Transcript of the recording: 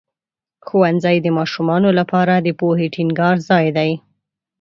ښوونځی د ماشومانو لپاره د پوهې ټینګار ځای دی.